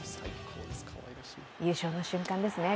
優勝の瞬間ですね。